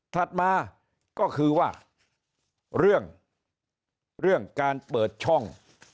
ถัดมาก็คือว่าเรื่องเรื่องการเปิดช่อง